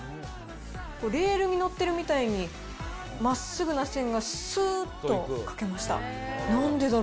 レールに乗ってるみたいにまっすぐな線がすーっと書けました。